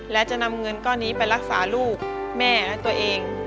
และจะนำเงินก้อนนี้ไปรักษาลูกแม่และตัวเอง